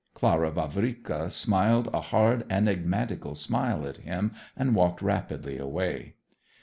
Clara Vavrika smiled a hard, enigmatical smile at him and walked rapidly away.